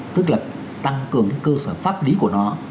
tức là tăng cường cái cơ sở pháp lý của nó